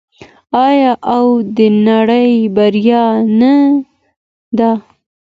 آیا او د نړۍ بریا نه ده؟